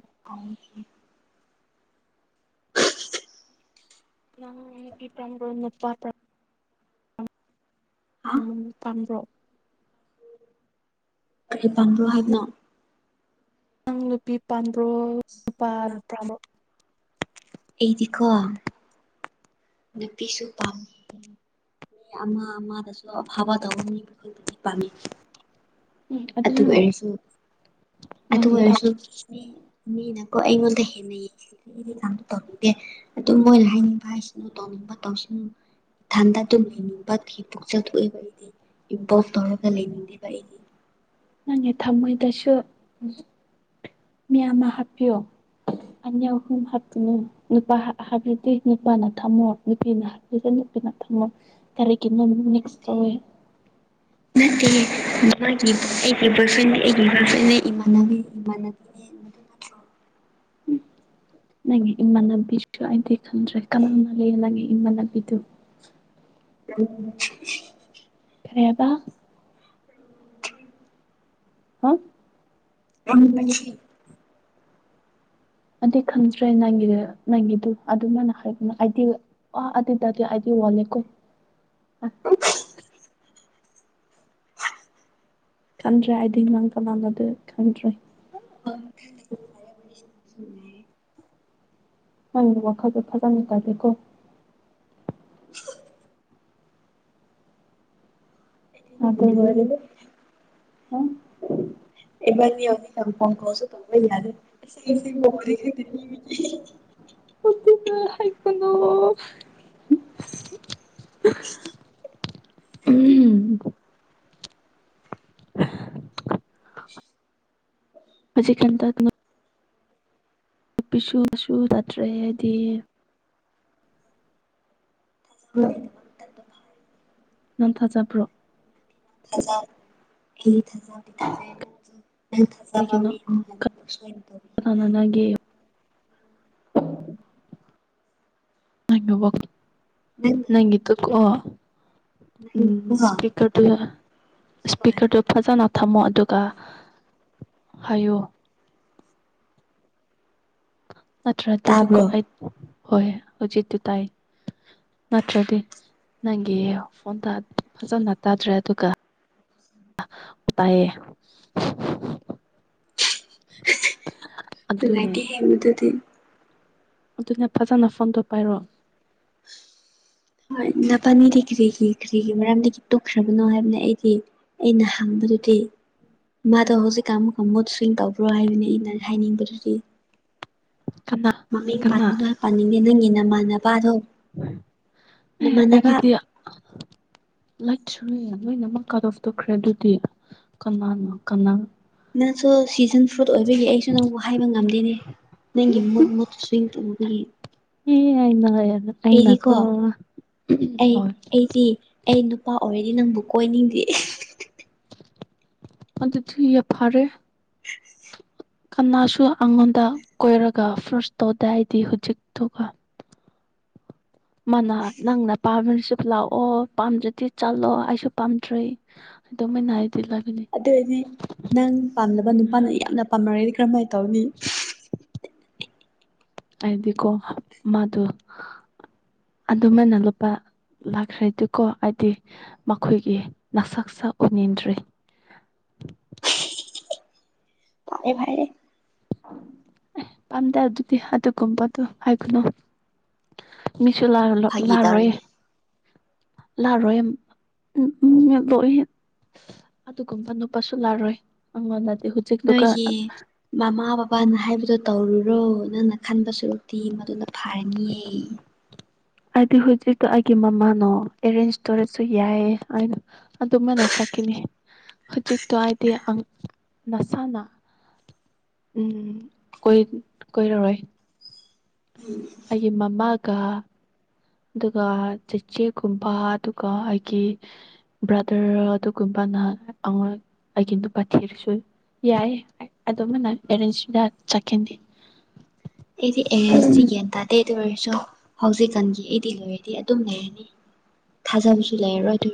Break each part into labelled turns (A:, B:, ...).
A: [inaudible]
B: [unintelligible] [unintelligible] ꯄꯥꯝꯕ꯭ꯔꯣ
A: ꯀꯔꯤ ꯄꯥꯝꯕ꯭ꯔꯣ ꯍꯥꯏꯕꯅꯣ
B: ꯅꯪ ꯅꯨꯄꯤ ꯄꯥꯝꯕ꯭ꯔꯣ ꯅꯨꯄꯥ ꯄꯥꯝꯔꯣ
A: ꯑꯩꯗꯤꯀꯣ ꯅꯨꯄꯤꯁꯨ ꯄꯥꯝꯃꯤ ꯑꯃ ꯑꯃꯗꯁꯨ ꯑꯐꯕ ꯇꯧꯕ ꯃꯤꯕꯨ ꯈꯇꯅꯦ ꯄꯥꯝꯃꯤ
B: ꯎꯝ
A: ꯑꯗꯨ
B: ꯑꯗꯨꯃꯅ
A: ꯑꯣꯏꯔꯁꯨ ꯑꯗꯨ
B: ꯅꯪꯒꯤ
A: ꯑꯣꯏꯔꯁꯨ ꯃꯤ ꯃꯤꯅꯀꯣ ꯑꯩꯉꯣꯟꯗ ꯍꯦꯟꯅꯩ ꯑꯗꯨꯝ ꯃꯣꯏꯅ ꯍꯥꯏꯅꯤꯡꯕ ꯍꯥꯏꯖꯅꯨ ꯇꯧꯅꯤꯡꯕ ꯇꯧꯖꯅꯨ ꯏꯊꯟꯗ ꯗꯄꯝ ꯍꯤꯡꯕ [unintelligible] ꯏꯄꯣꯞ ꯇꯧꯔꯒ ꯂꯩꯅꯤꯡꯗꯦꯕ ꯑꯩꯗꯤ
B: ꯅꯪꯒꯤ ꯊꯝꯃꯣꯏꯗꯁꯨ ꯃꯤ ꯑꯃ ꯍꯥꯞꯄꯤꯌꯣ ꯑꯅꯤ ꯑꯍꯨꯝ ꯍꯥꯞꯇꯨꯅꯦ ꯅꯨꯄꯥ ꯍ ꯍꯥꯞꯔꯗꯤ ꯅꯨꯄꯥꯅ ꯊꯝꯃꯣ ꯅꯨꯄꯤꯅ ꯍꯥꯞꯄꯤꯕꯅꯤ [unintelligible] ꯀꯔꯤꯒꯤ ꯅꯣ ꯃꯤꯛꯁ ꯇꯧꯑꯦ
A: ꯑꯩꯒꯤ ꯕꯣꯏꯐ꯭ꯔꯦꯟ [unintelligible]
B: [inaudible] ꯅꯪꯒꯤ ꯏꯟꯃꯥꯟꯅꯕꯤꯁꯨ ꯑꯗꯩ ꯈꯪꯗ꯭ꯔꯦ ꯀꯔꯝꯅ ꯂꯩ ꯅꯪꯒꯤ ꯏꯟꯃꯥꯟꯕꯤꯗꯨ
A: [inaudible]
B: [unintelligible]
A: [inaudible]
B: ꯍꯝ
A: [inaudible]
B: ꯑꯗꯩ ꯈꯪꯗ꯭ꯔꯦ ꯅꯪꯒꯤꯗ ꯅꯪꯒꯤꯗꯨ ꯑꯗꯨꯃꯅ ꯍꯥꯏꯒꯅꯨ ꯑꯗꯨ ꯑꯣ ꯑꯗꯨꯗꯗꯤ ꯑꯗꯨ [unintelligible] ꯈꯪꯗ꯭ꯔꯦ ꯑꯩ ꯅꯪ ꯀꯥꯅꯅꯣ ꯈꯪꯗ꯭ꯔꯦ
A: [inaudible]
B: ꯅꯪꯛꯤ ꯋꯥꯈꯜꯗꯣ ꯐꯖꯅ [unintelligible]
A: [inaudible] [unintelligible] ꯐꯣꯟ ꯀꯣꯜꯁꯨ ꯇꯧꯕ [unintelligible]
B: ꯑ ꯍꯥꯏꯀꯅꯣ
A: [inaudible]
B: [unintelligible] [inaudible] ꯍꯧꯖꯤꯛ [unintelligible] ꯅꯨꯄꯤꯁꯨ ꯃꯁꯨ ꯇꯠꯇ꯭ꯔꯦ ꯍꯥꯏꯗꯤ
A: [inaudible]
B: ꯅꯪ ꯊꯥꯖꯕ꯭ꯔꯣ
A: ꯊꯥꯖ ꯑꯩ ꯊꯥꯖꯕ ꯊꯝꯃꯦ ꯑꯩ ꯊꯥꯖꯕ
B: ꯀꯔꯤꯒꯤꯅꯣ
A: ꯃꯤꯒꯨꯝ [unintelligible] ꯅꯪꯅ
B: [unintelligible] ꯅꯪꯒꯤꯇ ꯀꯣ ꯎꯝ
A: ꯅꯪꯅꯀꯣ
B: ꯏꯁꯄꯤꯀꯔ ꯇ ꯏꯁꯄꯤꯀꯔ ꯇ ꯐꯖꯅ ꯊꯝꯃꯣ ꯑꯗꯨꯒ ꯍꯥꯏꯌꯨ ꯅꯠꯇ꯭ꯔꯗꯤꯗꯨꯀꯣ
A: ꯇꯥꯕ꯭ꯔꯣ
B: ꯑꯩ ꯍꯣꯏ ꯍꯧꯖꯤꯛꯇꯛꯇꯨ ꯇꯥꯏ ꯅꯠꯇ꯭ꯔꯗꯤ ꯅꯪꯒꯤ ꯐꯣꯟꯗ ꯐꯖꯅ ꯇꯥꯗ꯭ꯔꯦ ꯑꯗꯨꯒ ꯇꯥꯏꯌꯦ
A: ꯅꯨꯡꯉꯥꯏꯇꯦꯍꯦ ꯑꯗꯨꯗꯤ
B: ꯑꯗꯨꯅ ꯐꯖꯅ ꯐꯣꯟꯗꯣ ꯄꯥꯏꯔꯣ
A: ꯍꯣꯏ ꯅꯄꯥꯅꯤꯗꯤ ꯀꯔꯤꯒꯤ ꯀꯔꯤꯒꯤ ꯃꯔꯝꯗꯒꯤ ꯇꯣꯛꯈ꯭ꯔꯕꯅꯣ ꯍꯥꯏꯕꯅ ꯑꯩꯗꯤ ꯑꯩꯅ ꯍꯪ ꯑꯗꯨꯗꯤ ꯃꯥꯗꯣ ꯍꯧꯖꯤꯛꯀꯥꯟ ꯑꯃꯨꯛ ꯃꯨꯠꯁ꯭ꯋꯤꯡ ꯇꯧꯕ꯭ꯔꯣ ꯍꯥꯏꯕꯅꯤ ꯑꯩꯅ ꯍꯥꯏꯅꯤꯡꯕꯗꯨꯗꯤ
B: ꯀꯅꯥ
A: ꯃꯃꯤꯡ
B: ꯀꯅꯥ
A: ꯄꯟꯕ ꯄꯅꯤꯡꯗꯦ ꯅꯪꯒꯤ ꯅꯃꯥꯅꯕꯗꯣ ꯅꯥꯃꯅꯕ
B: [inaudible] ꯂꯥꯏ ꯁ ꯂꯣꯏꯅꯃꯛ ꯀꯥꯠ ꯑꯣꯐ ꯇꯧꯈ꯭ꯔꯦ ꯑꯗꯨꯗꯤ ꯀꯅꯥꯅꯣ ꯀꯅꯥ
A: ꯅꯪꯁꯨ [unintelligible] [unintelligible] ꯐ꯭ꯔꯨꯠ ꯑꯣꯏꯕꯒꯤ ꯑꯩꯁꯨ ꯅꯪꯕꯨ ꯍꯥꯏꯕ ꯉꯝꯗꯦꯅꯦ ꯅꯪꯒꯤ ꯃꯨꯠ ꯃꯨꯠꯇ ꯁ꯭ꯋꯤꯡ ꯇꯧꯕꯒꯤ
B: [unintelligible]
A: ꯑꯩꯗꯤꯀꯣ
B: ꯑꯩꯅꯀꯣ
A: ꯑꯩ ꯑꯩꯗꯤ ꯑꯩ ꯅꯨꯄꯥ ꯑꯣꯏꯔꯗꯤ ꯅꯪꯕꯨ ꯀꯣꯏꯅꯤꯡꯗꯦ
B: ꯑꯗꯤ ꯊꯤꯅ ꯐꯔꯦ ꯀꯅꯥꯁꯨ ꯑꯩꯉꯣꯟꯗ ꯀꯣꯏꯔꯒ ꯐꯥꯔꯁ ꯇꯧꯗꯥꯏꯗꯤ ꯍꯧꯖꯤꯛꯇꯨꯒ ꯃꯥꯅ ꯅꯍꯥꯟ ꯅꯪꯅ ꯄꯥꯝꯃꯤꯁꯤ ꯂꯥꯛꯑꯣ ꯄꯥꯝꯗ꯭ꯔꯗꯤ ꯆꯠꯂꯣ ꯑꯩꯁꯨ ꯄꯥꯝꯗ꯭ꯔꯤ [unintelligible]
A: ꯑꯗꯨ ꯑꯣꯏꯔꯗꯤ ꯅꯪ ꯄꯥꯝꯂꯕ ꯅꯨꯄꯥꯅ ꯌꯥꯝꯅ ꯄꯥꯝꯅꯔꯗꯤ ꯀꯔꯝꯍꯥꯏꯅ ꯇꯧꯅꯤ
B: ꯍꯥꯏꯗꯤꯀꯣ ꯃꯥꯗꯣ ꯑꯗꯨꯃꯅ ꯂꯨꯄꯥ ꯂꯥꯛꯈ꯭ꯔꯦꯗꯤꯀꯣ ꯍꯥꯏꯗꯤ ꯃꯈꯣꯏꯒꯤ ꯅꯁꯛ ꯁꯥ ꯎꯅꯤꯡꯟꯗ꯭ꯔꯤ [inaudible]
A: ꯐꯔꯦ ꯐꯔꯦ
B: ꯑꯦ ꯄꯝꯗ ꯑꯗꯨꯗꯤ ꯑꯗꯨꯒꯝ ꯄ ꯇꯣ ꯍꯥꯏ ꯒꯅꯣ ꯃꯤ ꯁꯨ ꯂꯥꯛ
A: ꯐꯥꯒꯤ
B: ꯂꯥꯛꯔꯣꯏꯌꯦ
A: ꯇꯧꯔꯤꯅꯦ
B: ꯂꯥꯛꯔꯣꯏ ꯎꯝ ꯎꯝ ꯂꯣꯏ ꯑꯗꯨꯒꯨꯝꯕ ꯅꯨꯄꯥꯁꯨ ꯂꯔꯣꯏ ꯑꯩꯉꯣꯟꯗꯗꯤ ꯍꯧꯖꯤꯛꯇꯨꯒ
A: ꯅꯣꯏꯒꯤ ꯃꯃꯥ ꯕꯕꯥꯅ ꯍꯥꯏꯕꯗꯣ ꯇꯧꯔꯨꯔꯣ ꯅꯪꯅ ꯈꯟꯕ ꯁꯔꯨꯛꯇꯤ ꯃꯗꯨꯅ ꯐꯔꯅꯤꯌꯦ
B: [inaudible] ꯍꯥꯏꯗꯤ ꯍꯧꯖꯤꯛꯇꯣ ꯑꯩꯒꯤ ꯃꯃꯥꯅꯣ ꯑꯦꯔꯦꯟꯖ ꯇꯧꯔꯁꯨ ꯌꯥꯏꯌꯦ ꯑ ꯑꯗꯨꯃꯥꯏꯅ ꯆꯠꯈꯤꯅꯤ ꯍꯧꯖꯤꯛꯇꯣ ꯍꯥꯏꯗꯤ ꯃꯁꯥꯅ ꯎꯝ ꯀꯣꯏ ꯀꯣꯏꯔꯔꯣꯏ ꯑꯩ ꯃꯥꯃꯒ ꯑꯗꯨꯒ ꯆꯦꯆꯦꯒꯨꯝꯕ ꯑꯗꯨꯒ ꯑꯩꯒꯤ ꯕ꯭ꯔꯗꯔ ꯑꯗꯨꯒꯨꯝꯕ ꯅꯍꯥꯟ ꯑꯃꯨꯔꯛ ꯑꯩꯒꯤ ꯅꯨꯄꯥ ꯊꯤꯔꯁꯨ ꯌꯥꯏꯌꯦ ꯑꯗꯨꯃꯥꯏꯅ ꯑꯦꯔꯦꯟꯖꯇ ꯆꯠꯈꯤꯅꯤ
A: ꯑꯩꯗꯤ ꯑꯦꯔꯦꯟꯁꯇꯤ ꯒ꯭ꯌꯥꯟ ꯇꯥꯗꯦ ꯑꯗꯨ ꯑꯣꯏꯔꯁꯨ ꯍꯧꯖꯤꯛꯀꯥꯟꯒꯤ ꯑꯩꯗꯤ ꯂꯣꯌꯦꯜꯇꯤ ꯑꯗꯨꯝ ꯂꯩꯔꯅꯤ ꯊꯥꯖꯕꯁꯨ ꯂꯩꯔꯔꯣꯏ ꯑꯗꯨ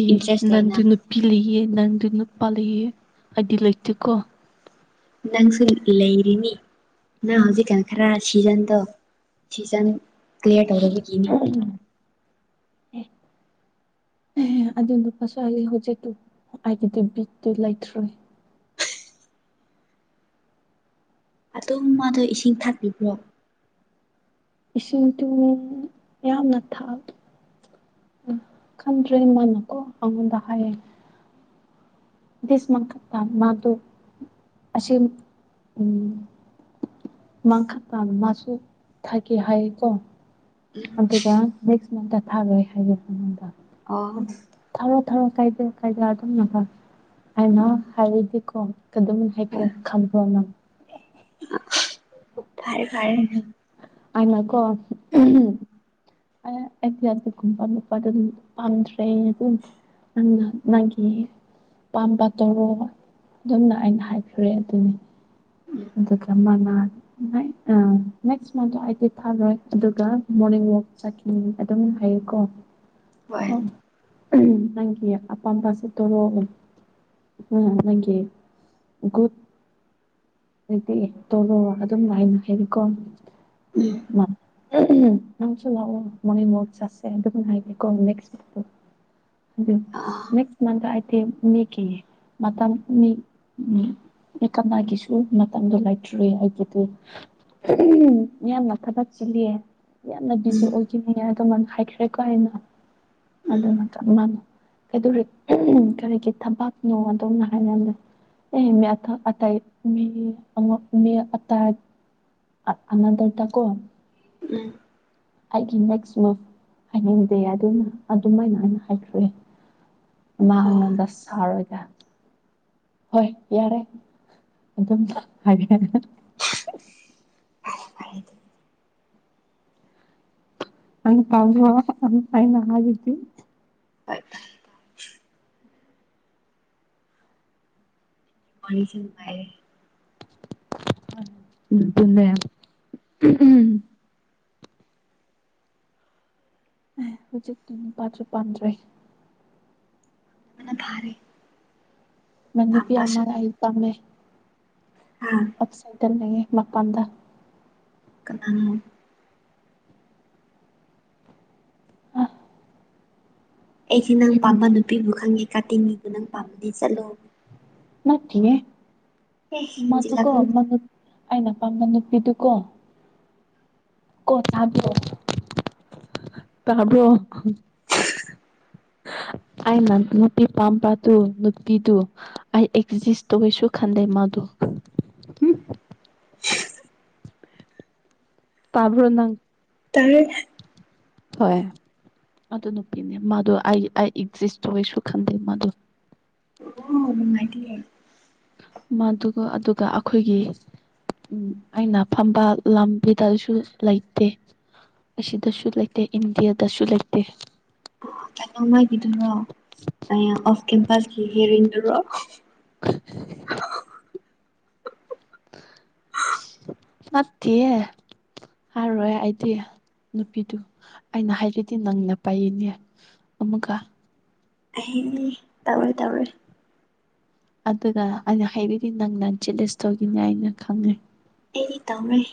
B: ꯑꯦ ꯅꯪꯖꯨ ꯅꯨꯄꯤ ꯂꯩꯌꯦ ꯅꯪꯖꯨ ꯅꯨꯞ ꯄꯜꯂꯣꯏꯌꯦ ꯑꯩꯗꯤ ꯂꯩꯇꯦꯀꯣ
A: ꯅꯪꯁꯨ ꯂꯩꯔꯤꯅꯤ ꯅꯪ ꯍꯧꯖꯤꯛꯀꯥꯟ ꯈꯔ ꯁꯤꯖꯟꯗꯣ ꯁꯤꯖꯟ ꯀꯂꯤꯌꯥꯔ ꯇꯧꯗꯕꯒꯤꯅꯤ
B: [inaudible] ꯑꯦ ꯑꯗꯨ ꯅꯨꯄꯥꯁꯨ ꯑꯩ ꯍꯧꯖꯤꯛꯇꯤ ꯑꯩꯒꯤꯗꯤ ꯕꯤꯠꯇꯤ ꯂꯩꯇ꯭ꯔꯦ
A: ꯑꯗꯨꯝ ꯃꯥꯗꯣ ꯏꯁꯤꯡ ꯊꯛꯂꯤꯕ꯭ꯔꯣ
B: ꯏꯁꯤꯡ ꯇꯨꯡ ꯌꯥꯝꯅ ꯊꯛ ꯑ ꯈꯪꯗ꯭ꯔꯦ ꯃꯥꯅꯀꯣ ꯑꯉꯣꯟꯗ ꯍꯥꯏꯌꯦ ꯗꯤꯁꯃꯛ ꯊꯛꯄ ꯃꯥꯗꯣ ꯑꯁꯤ ꯎꯝ ꯃꯥꯡꯈ꯭ꯔꯥ ꯀꯥꯟ ꯃꯥꯁꯨꯨ ꯊꯛꯀꯦ ꯍꯥꯏꯌꯦꯀꯣ ꯑꯗꯨꯒ ꯅꯦꯛꯁ ꯃꯟꯇ ꯊꯥꯔꯣꯏ ꯍꯥꯏꯒꯦ ꯑꯩꯉꯣꯟꯗ
A: ꯑꯣ
B: ꯊꯧ ꯀꯥꯏꯗꯦ ꯀꯥꯏꯗ ꯑꯗꯨꯝꯅꯀꯣ ꯑꯩꯅ ꯍꯥꯏꯔꯗꯤꯀꯣ ꯑꯗꯨꯝ ꯍꯦꯛꯇ
A: ꯍꯣꯏ
B: ꯈꯟꯕ ꯉꯝ ꯑꯦ
A: ꯐꯔꯦ ꯐꯔꯦ
B: ꯑꯩꯅ ꯀꯣ
A: ꯎꯝ
B: ꯑꯌꯥ ꯑꯩꯗꯤ ꯑꯗꯨꯒꯨꯝꯕ ꯅꯨꯄꯥ ꯑꯗꯨ ꯄꯥꯟꯗ꯭ꯔꯦ ꯑꯗꯨ ꯑꯩꯅ ꯅꯪꯒꯤ ꯑꯄꯥꯝꯕ ꯇꯧꯔꯣ ꯑꯗꯨꯝꯅ ꯑꯩꯅ ꯍꯥꯏꯈ꯭ꯔꯦ ꯑꯗꯨꯅꯤ ꯑꯗꯨꯒ ꯃꯅꯥ ꯅꯦ ꯑ ꯅꯦꯛꯁ ꯃꯟꯗꯣ ꯑꯩꯗꯤ ꯊꯥꯔꯣꯏ ꯑꯗꯨꯒ ꯃꯣꯔꯅꯤꯡ ꯋꯥꯛ ꯆꯠꯈꯤꯅꯤ ꯑꯗꯨꯝ ꯍꯥꯏꯌꯦꯀꯣ
A: ꯍꯣꯏ
B: ꯅꯪꯒꯤ ꯑꯄꯥꯝꯕꯁꯦ ꯇꯣꯔꯛꯑꯣ ꯑ ꯅꯪꯒꯤ ꯒꯨꯠ ꯍꯧꯖꯤꯛꯇꯤ ꯇꯧꯔꯣ ꯑꯗꯨꯝꯅ ꯑꯩꯅ ꯍꯩꯅꯤꯀꯣ ꯎꯝ
A: ꯎꯝ
B: ꯃꯥꯅ ꯎꯝ ꯎꯝ ꯅꯪꯁꯨ ꯂꯥꯛꯑꯣ ꯃꯣꯔꯅꯤꯡ ꯋꯥꯛ ꯆꯠꯁꯦ ꯑꯗꯨꯒ ꯍꯥꯏꯒꯦꯀꯣ ꯅꯦꯛꯁ ꯋꯤꯛꯇꯣ ꯑꯗꯨꯅꯦ
A: ꯑꯥ
B: ꯅꯦꯛꯁ ꯃꯟꯇ ꯑꯥꯏꯇꯦꯝ ꯃꯤꯒꯤ ꯃꯇꯝ ꯃꯤ ꯃꯤ ꯃꯤꯀꯞ ꯃꯥꯒꯤꯁꯨ ꯗꯨ ꯃꯇꯝꯗꯣ ꯂꯩꯇ꯭ꯔꯦ ꯑꯗꯨꯗꯤ ꯌꯥꯝꯅ ꯊꯕꯛ ꯆꯤꯜꯂꯤꯌꯦ ꯌꯥꯝꯅ ꯕꯤꯖꯤ
A: ꯎꯝ
B: ꯑꯣꯏꯈꯤꯅꯤ ꯑꯗꯣ ꯃꯥꯏꯅ ꯍꯥꯏꯈ꯭ꯔꯦꯀꯣ ꯑꯩꯅ
A: ꯎꯝ
B: ꯑꯗꯨꯅ ꯆꯠꯂꯅꯤ ꯀꯩꯗꯧꯔꯤ ꯍꯝ ꯀꯔꯤꯒꯤ ꯊꯕꯛꯅꯣ ꯑꯗꯣꯝꯅ ꯍꯥꯢꯅꯔ ꯑꯦ ꯃꯤꯌꯥꯊꯥ ꯑꯇꯩ ꯃꯤ ꯑꯃ ꯃꯤ ꯑꯇꯩ ꯑ ꯑꯅꯗ꯭ꯔꯗꯀꯣ
A: ꯎꯝ
B: ꯑꯩꯒꯤ ꯅꯦꯛꯁ ꯃ ꯍꯥꯏꯅꯤꯡꯗꯦ ꯑꯗꯨꯅ ꯑꯗꯨꯃꯥꯏꯅ ꯑꯩꯅ ꯍꯥꯏꯈ꯭ꯔꯦ
A: ꯑꯣ
B: ꯃꯉꯣꯟꯗ ꯁꯥꯎꯔꯒ ꯍꯣꯏ ꯌꯥꯔꯦ ꯑꯗꯨꯝꯅ ꯍꯥꯏꯈ꯭ꯔꯦ
A: ꯐꯩꯌꯦ ꯐꯩ
B: ꯀꯔꯤ ꯄꯥꯎꯅꯣ ꯑꯗꯨꯝ ꯑꯩꯅ ꯍꯥꯢꯕꯗꯤ
A: ꯑꯁ ꯋꯥꯔꯤꯁꯦ ꯅꯨꯡꯉꯥꯏꯌꯦ
B: ꯑꯗꯨꯅꯦ ꯎꯝ ꯎꯝ ꯑꯦ ꯍꯧꯖꯤꯛ ꯅꯨꯄꯥꯗꯣ ꯄꯥꯟꯗ꯭ꯔꯦ
A: ꯑ ꯊꯥꯔꯦ
B: ꯅꯪ ꯅꯨꯄꯤ ꯑꯃꯔ ꯑꯩ ꯄꯥꯝꯃꯦ
A: ꯍꯥ
B: ꯑꯁ ꯇꯜ ꯂꯩꯍꯦ ꯃꯥꯄꯥꯟꯗ
A: ꯀꯥꯅꯅꯣ
B: ꯑꯥ
A: ꯑꯩꯗꯤ ꯅꯪ ꯄꯥꯝꯕ ꯅꯨꯄꯤꯕꯨ ꯈꯪꯉꯦ ꯀꯥꯇꯤꯟꯒꯤꯗꯨ ꯅꯪ ꯄꯥꯝꯕꯗꯤ ꯆꯠꯂꯣ
B: ꯅꯠꯇꯤꯌꯦ
A: ꯑꯦ
B: ꯃꯥꯗꯣ ꯀꯣ
A: ꯍꯦꯟꯖꯤꯜꯂꯛꯀꯅꯨ
B: ꯃꯥꯗꯣ ꯑꯩꯅ ꯑꯄꯥꯝꯕ ꯅꯨꯄꯤꯗꯨꯀꯣ ꯀꯣ ꯊꯥꯡꯗꯣ ꯇꯕ꯭ꯔꯣ ꯑꯩꯅ ꯅꯨꯄꯤ ꯄꯥꯝꯕꯗꯨ ꯅꯨꯄꯤꯗꯨ ꯑꯩ ꯑꯦꯛꯖꯤꯁ ꯇꯧꯒꯦꯁꯨ ꯈꯟ ꯑꯩ ꯃꯥꯗꯨ ꯎꯝ ꯇꯥꯕ꯭ꯔꯣ ꯅꯪ
A: ꯇꯥꯔꯦꯅꯦ
B: ꯍꯣꯏ ꯑꯗꯨ ꯅꯨꯄꯤꯅꯦ ꯃꯥꯗꯣ ꯑꯩ ꯑꯩ ꯑꯦꯛꯖꯤꯁ ꯇꯧꯋꯦꯁꯨ ꯈꯟꯗꯦ ꯃꯥꯗꯣ
A: ꯑꯣ ꯅꯨꯡꯉꯥꯏꯇꯤꯌꯦ
B: ꯃꯗꯨꯒ ꯑꯗꯨꯒ ꯑꯩꯈꯣꯏꯒꯤ ꯎꯝ ꯑꯩꯅ ꯐꯝꯕ ꯂꯝꯕꯤꯗꯁꯨ ꯂꯩꯇꯦ ꯑꯁꯤꯗꯁꯨ ꯂꯩꯇꯦ ꯏꯟꯗꯤꯌꯥꯗꯁꯨ ꯂꯩꯇꯦ
A: ꯀꯩꯅꯣ ꯅꯣꯢꯒꯤꯗꯨꯔꯣ ꯑꯩꯌꯥ ꯣꯐ ꯀꯦꯄꯁ ꯍꯦꯔꯤꯡꯗꯨꯔꯣ
B: ꯅꯠꯇꯤꯌꯦ ꯍꯥꯏꯔꯣꯏ ꯑꯩꯗꯤ ꯅꯨꯄꯤꯗꯨ ꯑꯩꯅ ꯍꯥꯏꯔꯗꯤ ꯅꯪꯅ ꯄꯥꯏꯌꯦꯅꯦ ꯑꯃꯨꯀ
A: ꯑꯩ ꯍꯌꯦꯡꯅꯤ ꯇꯧꯔꯣꯢ ꯇꯧꯔꯣꯢ
B: ꯑꯗꯨꯅ ꯑꯩꯅ ꯍꯥꯏꯔꯤꯗꯤ ꯅꯪ ꯅ ꯖꯦꯠꯂꯦꯁ ꯇꯧꯅꯤꯉꯥꯢꯅ ꯈꯪꯔꯦ
A: ꯑꯩꯗꯤ ꯇꯧꯔꯣꯢ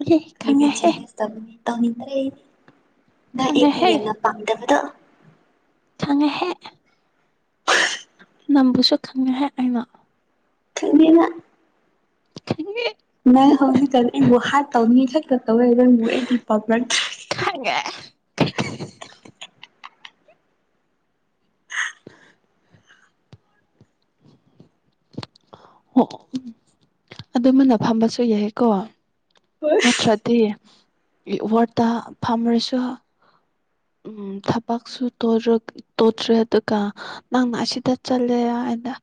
B: ꯑꯦꯍꯦ
A: ꯑꯩꯗꯤ
B: ꯈꯪꯉꯦꯍꯦ
A: ꯆꯍꯤ ꯇꯔꯨꯛ ꯈꯤꯇꯪ ꯂꯩ ꯅ
B: ꯈꯪꯉꯦꯍꯦ
A: ꯑꯦꯛꯁꯅꯦꯅ ꯄꯥꯝꯗꯕꯗꯣ
B: ꯈꯪꯉꯦꯍꯦ ꯅꯝꯕꯨꯁꯨ ꯈꯪꯉꯦꯍꯦ ꯑꯩꯅ
A: ꯈꯪꯗꯦꯅ
B: ꯈꯪꯗꯦ
A: ꯅꯪ ꯍꯧꯖꯤꯛꯛꯇꯅꯦ ꯑꯩꯕꯨ ꯍꯥꯠ ꯇꯧꯅꯤ ꯈꯛꯇ ꯇꯧꯋꯦ ꯅꯕꯨ ꯑꯩꯗꯤ ꯄꯥꯝꯕ꯭ꯔꯥ
B: ꯑꯦ ꯍ ꯍ ꯑꯣ ꯑꯗꯨꯃꯅ ꯐꯝꯕꯁꯨ ꯌꯥꯏꯀꯣ ꯅꯠꯇ꯭ꯔꯗꯤ ꯋꯥꯔꯠꯇ ꯐꯝꯔꯁꯨ ꯎꯝ ꯊꯕꯛꯁꯨ ꯇꯧꯔꯛ ꯇꯣꯗ꯭ꯔꯦ ꯑꯗꯨꯒ ꯅꯪꯅ ꯑꯁꯤꯗ ꯆꯠꯂꯦ ꯍꯥꯢ ꯑꯗ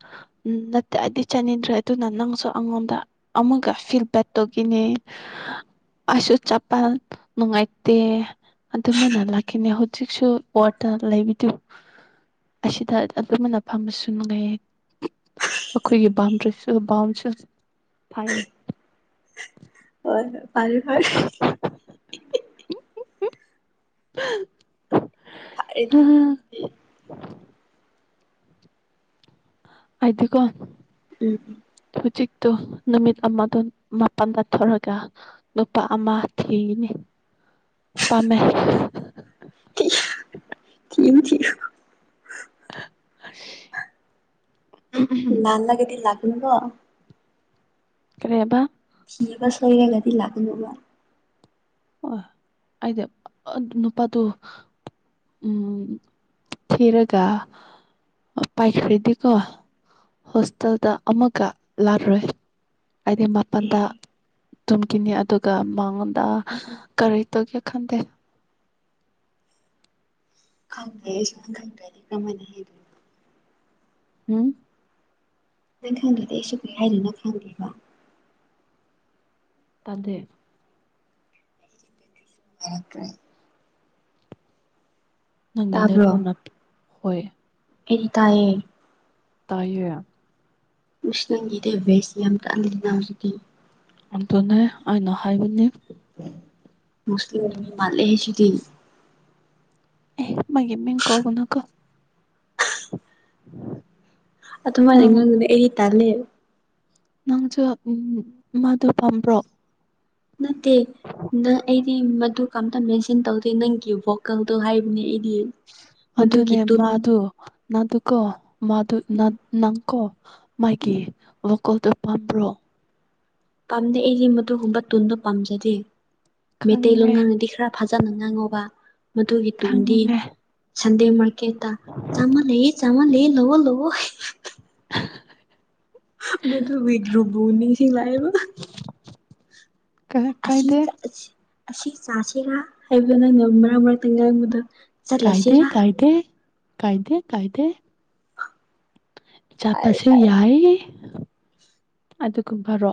B: ꯎ ꯅꯠꯇꯦ ꯑꯩꯗꯤ ꯆꯥꯅꯤꯡꯗ꯭ꯔꯦ ꯑꯗꯨꯅ ꯅꯪꯁꯨ ꯑꯩꯉꯣꯟꯗ ꯑꯃꯨꯀ ꯐꯤꯗꯕꯦꯛ ꯇꯧꯈꯤ ꯅꯦ ꯑꯁꯨ ꯆꯄꯜ ꯅꯨꯡꯉꯥꯏꯇꯦ ꯑꯗꯨꯃꯥꯏꯅ ꯂꯥꯛ ꯑꯩꯅꯦ ꯍꯧꯖꯤꯛꯁꯨ ꯋꯥꯠꯇ ꯂꯩꯕꯤꯗꯨ ꯑꯁꯤꯗ ꯑꯗꯨꯃꯅ ꯐꯝꯕꯁꯨ ꯅꯨꯡꯉꯥꯏꯌꯦ ꯑꯩꯈꯣꯏꯒꯤ ꯕꯥꯎꯟꯗ꯭ꯔꯤꯁꯨ ꯕꯥꯎꯟꯁꯨ ꯐꯥꯏꯌꯦ
A: ꯑꯗꯣ ꯐꯔꯦ ꯐꯔꯦ
B: [inaudible]
A: ꯍꯥꯢ ꯗꯤ
B: ꯑꯩꯗꯤꯀꯣ
A: ꯎꯝ
B: ꯑꯗꯨ ꯅꯨꯃꯤꯠ ꯑꯃꯗ ꯃꯥꯄꯜꯗꯊꯣꯔꯒ ꯅꯨꯄꯥ ꯑꯃ ꯊꯤꯅꯤ ꯄꯥꯝꯃꯦ
A: ꯊꯤꯌꯨ ꯊꯤꯌꯨ ꯊꯤꯌꯨ
B: ꯑ ꯑꯁ
A: ꯂꯥꯜ ꯂꯒꯗꯤ ꯂꯥꯛꯀꯅꯨꯀꯣ
B: ꯀꯔꯤ ꯍꯥꯢꯕ
A: ꯇꯤꯕ ꯁꯣꯢꯌꯜꯂꯗꯤ ꯂꯥꯛꯀꯅꯣꯕ
B: ꯑꯣ ꯑꯩꯖꯨ ꯑꯗꯨ ꯅꯨꯄꯥꯗꯣ ꯎꯝ ꯊꯤꯔꯒ ꯑ ꯄꯥꯏꯈ꯭ꯔꯥꯗꯤꯀꯣ ꯍꯣꯁꯇꯦꯜꯗ ꯑꯃꯀ ꯂꯥꯛꯔꯣꯏ ꯑꯩꯗꯤ
A: ꯑꯦ
B: ꯃꯥꯄꯟꯗ ꯇꯨꯝꯈꯤꯅꯤ ꯑꯗꯨꯒ ꯃꯉꯣꯟꯗ ꯀꯔꯤ ꯇꯧꯒꯦ ꯈꯟꯗꯦ
A: ꯈꯪꯗ꯭ꯔꯦ ꯑꯩ ꯁꯨꯡꯈꯟ ꯈꯟꯗ꯭ꯔꯦ ꯗꯤ ꯀ꯭ꯔꯝꯍꯥꯢꯅ ꯍꯦꯜ
B: ꯍꯨꯡ
A: ꯅꯪ ꯈꯪꯗ꯭ꯔꯗꯤ ꯑꯩꯁꯨ ꯀ꯭ꯔꯤ ꯍꯥꯏꯗꯣꯏꯅꯣ ꯈꯪꯗꯦꯕ
B: ꯇꯥꯗꯦ
A: [unintelligible]
B: ꯅꯪꯒꯤꯗꯠ
A: ꯇꯥꯕ꯭ꯔꯣ
B: ꯐꯣꯟ ꯅꯞꯄꯤ ꯍꯣꯏ
A: ꯑꯩꯗꯤ ꯇꯥꯏꯌꯦ
B: ꯇꯥꯏꯌꯦ
A: ꯏꯁꯇꯟꯒꯤꯗꯤ ꯚꯦꯖ ꯌꯥꯝ ꯇꯥꯡꯗꯤ ꯇꯥꯡꯁꯤꯗꯤ
B: ꯑꯗꯨꯅꯦ ꯑꯩꯅ ꯍꯥꯏꯕꯅꯦ
A: ꯕꯨꯁꯇꯦꯜꯒꯤ ꯃꯤ ꯃꯥꯜꯂꯦ ꯁꯤꯗꯤ
B: ꯑꯦ ꯃꯥꯒꯤ ꯃꯤꯡ ꯀꯧꯒꯅꯨꯀꯣ [inaudible]
A: ꯑꯗꯨꯃꯥꯏꯅ
B: ꯅꯪ
A: ꯏꯉꯟꯕꯗꯤ ꯑꯩ ꯇꯜꯂꯦ
B: ꯅꯪꯁꯨ ꯎꯝ ꯃꯥꯗꯨ ꯄꯥꯝꯕ꯭ꯔꯣ
A: ꯅꯠꯇꯦ ꯅ ꯑꯩꯗꯤ ꯃꯗꯨ ꯀꯝꯇ ꯃꯦꯟꯁꯟ ꯇꯧꯗꯦ ꯅꯪꯒꯤ ꯚꯣꯀꯜꯗꯣ ꯍꯥꯏꯕꯅꯦ ꯑꯩ ꯏ ꯃꯗꯨꯒꯤ ꯇꯨꯟ
B: ꯅꯗꯨꯀꯣ ꯃꯥꯗꯨ
A: ꯎꯝ
B: ꯅꯠ ꯅꯪꯀꯣ ꯃꯥꯒꯤ
A: ꯎꯝ
B: ꯑꯣ ꯀꯣꯜꯇ꯭ꯔ ꯄꯥꯠꯄ꯭ꯔꯣ
A: ꯄꯥꯝꯗꯦ ꯑꯩꯗꯤ ꯃꯗꯨꯒꯨꯝꯕ ꯊꯨꯟꯗꯣ ꯄꯥꯝꯖꯗꯦ ꯃꯤꯇꯩꯂꯣꯟ
B: ꯈꯪꯉꯦ
A: ꯉꯥꯡꯉꯗꯤ ꯈꯔ ꯐꯖꯟꯅ ꯉꯥꯡꯉꯣꯕ ꯃꯗꯨꯒꯤ ꯇꯨꯟꯗꯤ
B: ꯈꯪꯉꯦ
A: ꯁꯟꯗꯦ ꯃꯥꯔꯀꯦꯠꯇ ꯆꯥꯝꯃ ꯂꯩꯌꯦ ꯆꯧꯉ ꯂꯩꯌꯦ ꯂꯧꯑꯣ ꯂꯧꯑꯣ ꯃꯗꯨꯒꯤ ꯒ꯭ꯂꯨꯕꯣ ꯅꯤꯡꯁꯤꯡꯂꯥꯛꯑꯦꯕ
B: ꯀ ꯀ ꯀꯥꯏꯗꯦ
A: ꯉꯁꯤ ꯆꯥꯁꯦꯔꯥ ꯍꯥꯏꯕ ꯅꯪ ꯉꯝꯕ꯭ꯔ ꯃꯔꯛꯇ ꯉꯥꯡꯕꯗ
B: ꯀꯥꯏꯗꯦ ꯀꯥꯏꯗꯦ ꯀꯥꯏꯗꯦ ꯀꯥꯏꯗꯦ ꯆꯥꯠꯄꯁꯨ
A: ꯍꯥꯏꯔ
B: ꯌꯥꯏꯌꯦ ꯑꯗꯨꯒꯨꯝꯕꯔꯣ